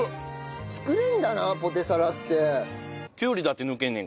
作れるんだなポテサラって。